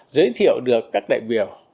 giới thiệu được các đại biểu